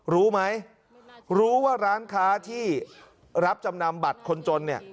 รู้ไหมรู้ว่าร้านค้าที่รับจำนำบัตรคนจนเนี่ย